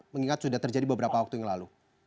mengingat sudah terjadi beberapa waktu yang lalu